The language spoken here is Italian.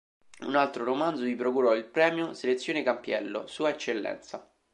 Un altro romanzo gli procurò il premio "Selezione Campiello", "Sua Eccellenza".